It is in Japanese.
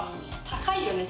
高いよね